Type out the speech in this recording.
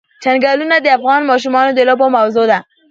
چنګلونه د افغان ماشومانو د لوبو موضوع ده.